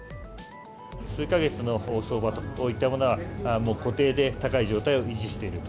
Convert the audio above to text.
数か月の相場といったものは、もう固定で高い状態を維持していると。